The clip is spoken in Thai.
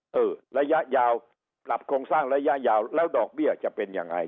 ระยะยาวปรับโครงสร้างระยะยาวแล้วดอกเบี้ยจะเป็นยังไง